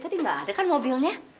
tadi nggak ada kan mobilnya